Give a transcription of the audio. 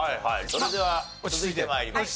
それでは続いて参りましょう。